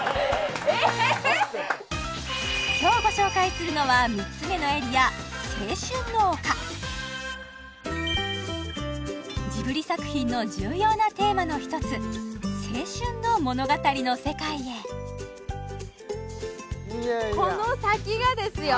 今日ご紹介するのは３つ目のエリア青春の丘ジブリ作品の重要なテーマの１つ青春の物語の世界へこの先がですよ